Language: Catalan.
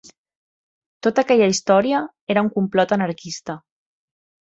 Tota aquella història era un complot anarquista